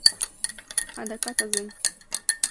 Адакат азен!..